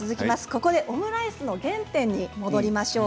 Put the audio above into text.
ここでオムライスの原点に戻りましょう。